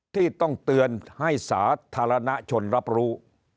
ที่ต้องเตือนให้สาธารณชนรับรู้